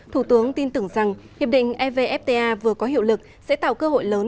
thủ tướng tin tưởng rằng hiệp định evfta vừa có hiệu lực sẽ tạo cơ hội lớn